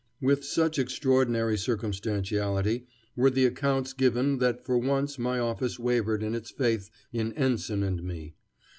With such extraordinary circumstantiality were the accounts given that for once my office wavered in its faith in Ensign and me.